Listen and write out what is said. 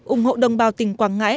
ủng hộ đồng bào tỉnh quảng ngãi